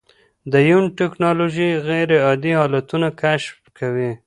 د یون ټېکنالوژي غیرعادي حالتونه کشف کوي.